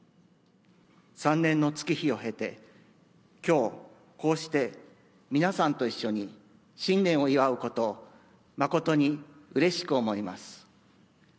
３年の月日を経て、きょう、こうして皆さんと一緒に新年を祝うことを誠にうれしく思います。